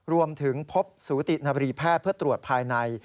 รวมถึงพบสูตินบรีแพทย์เพื่อตรวจภายใน